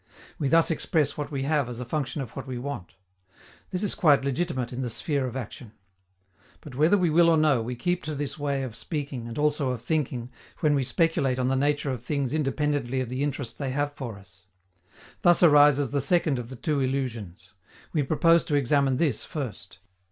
We thus express what we have as a function of what we want. This is quite legitimate in the sphere of action. But, whether we will or no, we keep to this way of speaking, and also of thinking, when we speculate on the nature of things independently of the interest they have for us. Thus arises the second of the two illusions. We propose to examine this first.